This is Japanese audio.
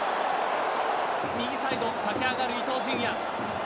右サイド、駆け上がる伊東純也。